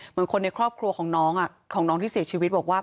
เหมือนคนในครอบครัวของน้องของน้องที่เสียชีวิตบอกว่า